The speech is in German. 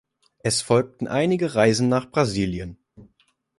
Es folgten einige Reisen nach Brasilien.